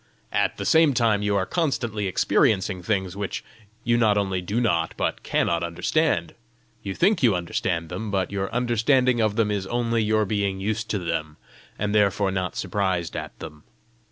At the same time you are constantly experiencing things which you not only do not, but cannot understand. You think you understand them, but your understanding of them is only your being used to them, and therefore not surprised at them.